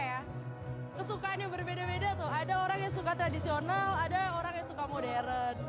ada orang yang suka tradisional ada orang yang suka modern